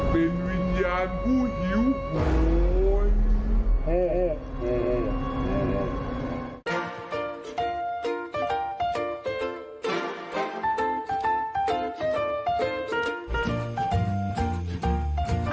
เป็นวิญญาณผู้หิวขาย